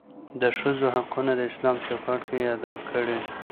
دښځو حقونه داسلام چوکاټ کې ادا کړى.